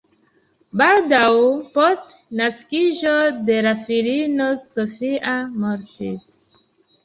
Baldaŭ post naskiĝo de la filino "Sofia" mortis.